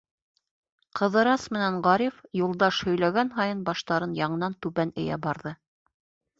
Ҡыҙырас менән Ғариф Юлдаш һөйләгән һайын баштарын яңынан түбән эйә барҙы.